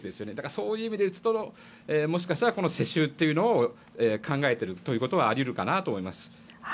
そういう意味でいくともしかしたら世襲を考えているのはあり得るかなと思います。